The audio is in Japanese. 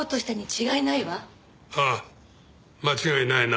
ああ間違いないな。